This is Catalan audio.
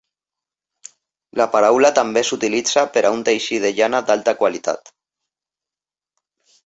La paraula també s'utilitza per a un teixit de llana d'alta qualitat.